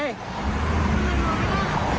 พี่ปากถูกหรือเปล่า